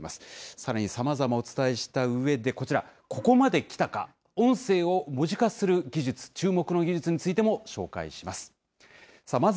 さらにさまざまお伝えしたうえでこちら、ここまで来たか、音声を文字化する技術、注目の技術についても紹介します。